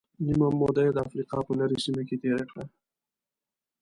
نیمه موده یې د افریقا په لرې سیمه کې تېره کړه.